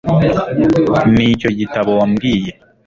Nicyo gitabo wambwiye